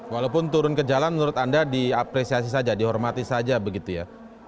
walaupun turun ke jalan menurut anda diapresiasi saja dihormati saja begitu ya